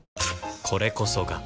これこそが